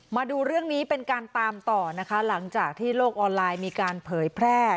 มาดูเรื่องนี้เป็นการตามต่อนะคะหลังจากที่โลกออนไลน์มีการเผยแพร่